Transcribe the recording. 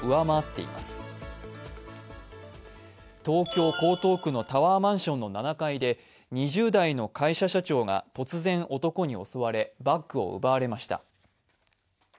東京・江東区のタワーマンションの７階で２０代の会社社長が突然男に襲われバッグを奪われました。